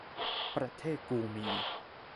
ประเทศกูมี